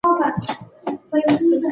آیا ته د ښوونځي له فضا راضي یې؟